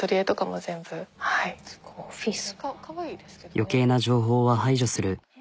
余計な情報は排除する。